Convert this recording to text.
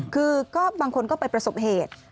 คือก็บางคนก็ไปประสบเหตุ